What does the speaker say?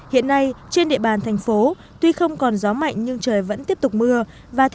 hiện nay trên địa bàn thành phố tuy không còn gió mạnh nhưng trời vẫn tiếp tục mưa và